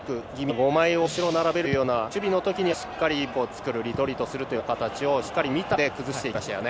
５枚後ろに並べるというような守備のときにはしっかりブロックを作るリトリートする形をしっかり見たうえで崩していきましたよね。